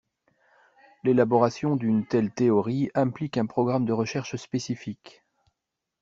L'élaboration d'une telle théorie implique un programme de recherche spécifique.